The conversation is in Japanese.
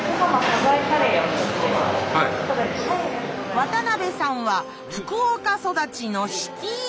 渡部さんは福岡育ちのシティガール。